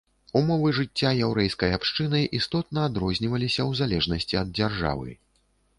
Умовы жыцця яўрэйскай абшчыны істотна адрозніваліся ў залежнасці ад дзяржавы.